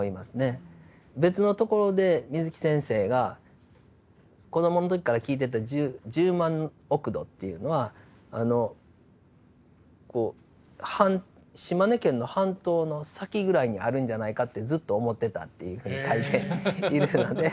別のところで水木先生が子どもの時から聞いてた十万億土っていうのはあのこう島根県の半島の先ぐらいにあるんじゃないかってずっと思ってたっていうふうに書いているので。